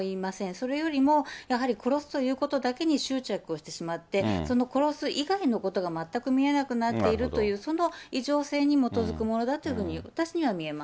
それよりも、やはり殺すということだけに執着をしてしまって、その殺す以外のことが全く見えなくなっているという、その異常性に基づくものだというふうに、私には見えます。